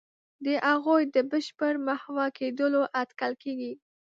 د هغوی د بشپړ محو کېدلو اټکل کېږي.